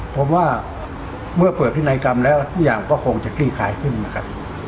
ผมว่าเมื่อเปิดพินัยกรรมแล้วทุกอย่างก็คงจะคลี่คลายขึ้นนะครับ